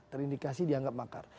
terindikasi dianggap makar